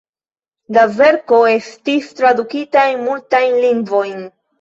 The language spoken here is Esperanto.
La verko estis tradukita en multajn lingvojn.